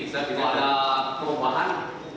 jadi kalau ada perubahan